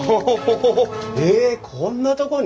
えこんなとこに？